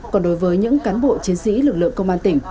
còn đối với những cán bộ chiến sĩ lực lượng công an tỉnh